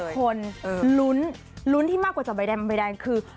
หลายคนลุ้นลุ้นที่มากกว่าจับใบดำใบแดงคือ